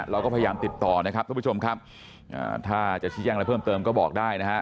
เราก็พยายามติดต่อนะครับทุกผู้ชมครับถ้าจะชี้แจ้งอะไรเพิ่มเติมก็บอกได้นะฮะ